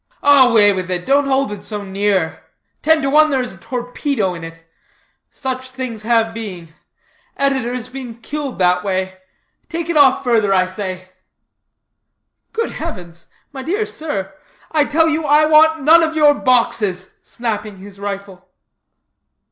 "Away with it! Don't hold it so near. Ten to one there is a torpedo in it. Such things have been. Editors been killed that way. Take it further off, I say." "Good heavens! my dear sir " "I tell you I want none of your boxes," snapping his rifle.